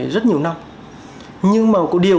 rất nhiều năm nhưng mà có điều